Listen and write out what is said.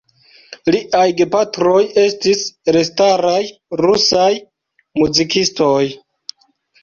Liaj gepatroj estis elstaraj rusaj muzikistoj.